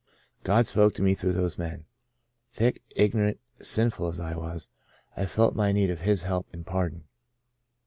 God spoke to me through those men. Thick, ignorant, sinful as I was, I felt my need of His help and pardon.